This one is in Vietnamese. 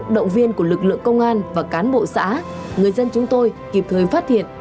động viên của lực lượng công an và cán bộ xã người dân chúng tôi kịp thời phát hiện